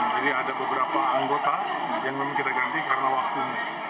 ada beberapa anggota yang memang kita ganti karena waktu